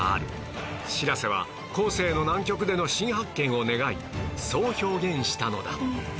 白瀬は後世の南極での新発見を願いそう表現したのだ